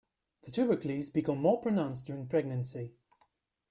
The tubercles become more pronounced during pregnancy.